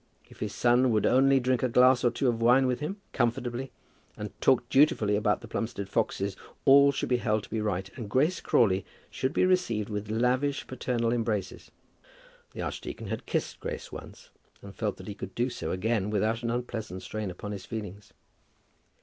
If his son would only drink a glass or two of wine with him comfortably, and talk dutifully about the Plumstead foxes, all should be held to be right, and Grace Crawley should be received with lavish paternal embraces. The archdeacon had kissed Grace once, and felt that he could do so again without an unpleasant strain upon his feelings.